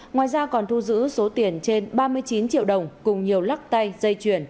ngoài ra còn thu giữ số tiền trên ba mươi chín triệu đồng cùng nhiều lắc tay dây chuyển